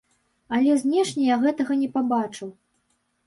Але знешне я гэтага не пабачыў.